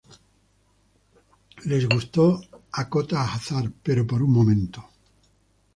Les gustó, acota Hazard, "pero por un momento.